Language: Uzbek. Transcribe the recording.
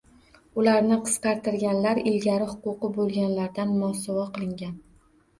Ularni qisqartirganlar, ilgari huquqi boʻlganlardan mosuvo qilgan